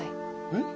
えっ？